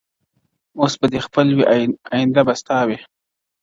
اوس به دې خپل وي آینده به ستا وي!!